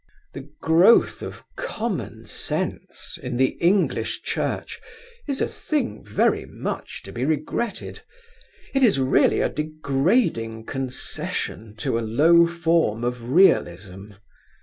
The growth of common sense in the English Church is a thing very much to be regretted. It is really a degrading concession to a low form of realism.